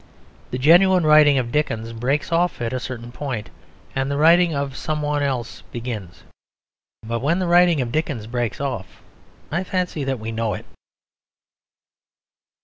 The genuine writing of Dickens breaks off at a certain point, and the writing of some one else begins. But when the writing of Dickens breaks off, I fancy that we know it.